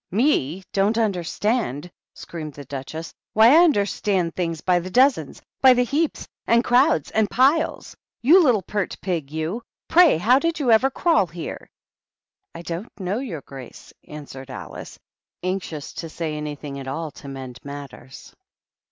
"Me! — don't understand!" screamed the Duchess. "Why, I understand things by the dozens, by the heaps and crowds and piles! You little pert pig, you! Pray, how did you ever crawl here?" "I don't know, your grace," answered Alice, anxious to say anything at all to mend mat ters.